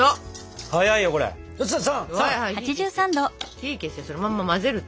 火消してそのまま混ぜる！